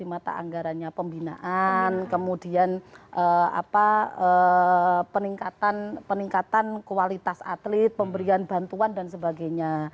di mata anggarannya pembinaan kemudian peningkatan kualitas atlet pemberian bantuan dan sebagainya